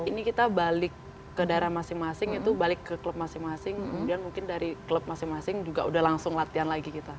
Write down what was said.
ini kita balik ke daerah masing masing itu balik ke klub masing masing kemudian mungkin dari klub masing masing juga udah langsung latihan lagi kita